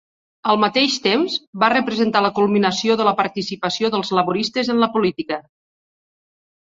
Al mateix temps, va representar la culminació de la participació dels laboristes en la política.